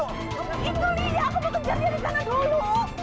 aduh kamu ngaco